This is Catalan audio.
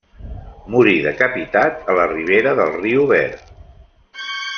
Morí decapitat a la ribera del riu Ver.